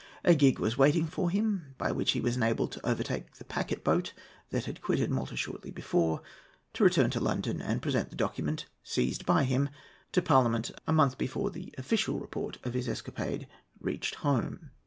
A gig was waiting for him, by which he was enabled to overtake the packet boat that had quitted Malta shortly before, to return to London, and to present the document seized by him to Parliament a month before the official report of his escapade reached home.